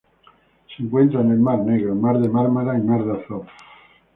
Se encuentra en el Mar Negro, Mar de Mármara y Mar de Azov.